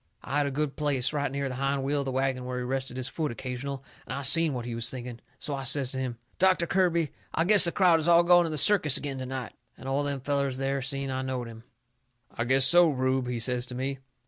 I had a good place, right near the hind wheel of the wagon where he rested his foot occasional, and I seen what he was thinking. So I says to him: "Doctor Kirby, I guess the crowd is all gone to the circus agin to night." And all them fellers there seen I knowed him. "I guess so, Rube," he says to me.